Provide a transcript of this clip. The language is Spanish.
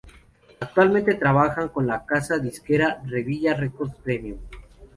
Actualmente trabajan con la casa disquera Revilla Records Premium.